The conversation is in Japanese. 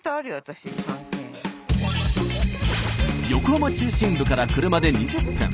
横浜中心部から車で２０分。